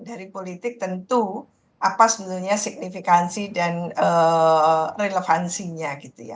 dari politik tentu apa sebenarnya signifikansi dan relevansinya gitu ya